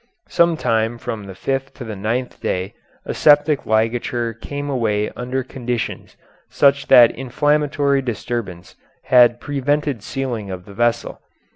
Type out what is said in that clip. Some time from the fifth to the ninth day a septic ligature came away under conditions such that inflammatory disturbance had prevented sealing of the vessel.